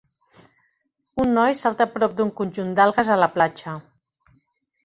Un noi salta a prop d'un conjunt d'algues a la platja